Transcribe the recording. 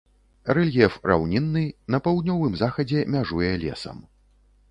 Рэльеф раўнінны, на паўднёвым захадзе мяжуе лесам.